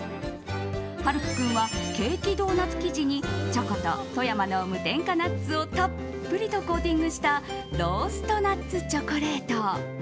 晴空君はケーキドーナツ生地にチョコと富山の無添加ナッツをたっぷりとコーティングしたローストナッツチョコレート。